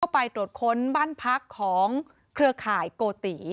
ไปตรวจค้นบ้านพักของเครือข่ายโกติ